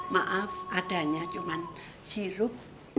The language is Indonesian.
maaf adanya cuman sirup